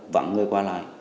vãng người qua lại